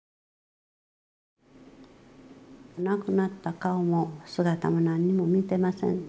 亡くなった顔も姿も何も見てません。